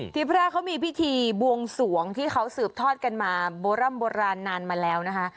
พระเขามีพิธีบวงสวงที่เขาสืบทอดกันมาโบร่ำโบราณนานมาแล้วนะคะ